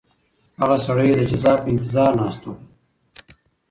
هغه سړی د جزا په انتظار ناست و.